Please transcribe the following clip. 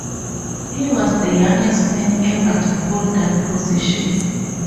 He was the youngest man ever to hold that position.